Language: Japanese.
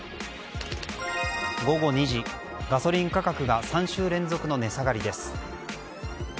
午後２時、ガソリン価格が３週連続の値下がりです。